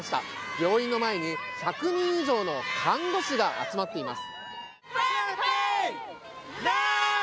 病院の前に１００人以上の看護師が集まっています。